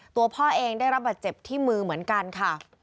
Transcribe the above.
ตัวพ่อเองได้รับบาดเจ็บที่มือเหมือนกันค่ะ